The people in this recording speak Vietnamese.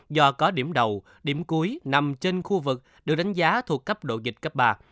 do có điểm đầu điểm cuối nằm trên khu vực được đánh giá thuộc cấp độ dịch cấp ba